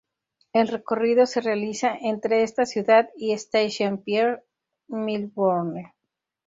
El recorrido se realiza entre esta ciudad y Station Pier, Melbourne.